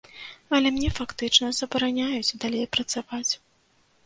Але мне фактычна забараняюць далей працаваць.